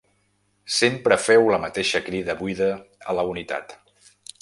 Sempre feu la mateixa crida buida a la unitat.